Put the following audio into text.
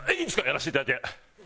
やらせていただいて。